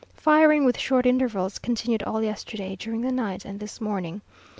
Firing, with short intervals, continued all yesterday, during the night, and this morning.